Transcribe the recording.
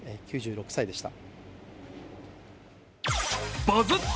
９６歳でした。